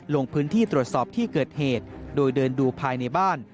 ลงพื้นที่ตรวจสอบที่เกิดเหตุโดยเดินดูภายในบ้าน